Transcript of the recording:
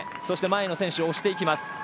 そして前の選手を押していきます。